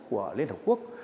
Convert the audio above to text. của liên hợp quốc